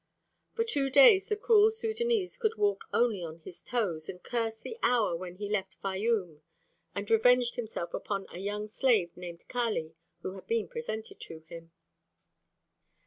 For two days the cruel Sudânese could walk only on his toes and cursed the hour when he left Fayûm, and revenged himself upon a young slave named Kali, who had been presented to him.